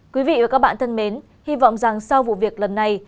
quý vị và các bạn thân mến hy vọng rằng sau vụ việc lần này